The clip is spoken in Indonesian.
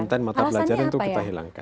konten mata pelajaran itu kita hilangkan